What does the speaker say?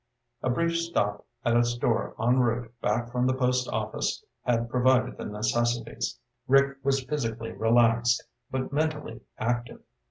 A brief stop at a store en route back from the post office had provided the necessities. Rick was physically relaxed, but mentally active.